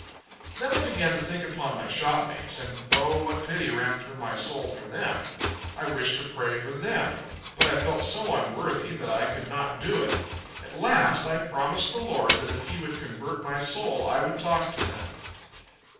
Then I began to think upon my shopmates and, O what pity ran through my soul for them. I wished to pray for them; but I felt so unworthy, that I could not do it. At last I promised the Lord that if He would convert my soul, I would talk to them.